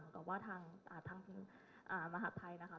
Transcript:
ทางมหาภัยนะคะ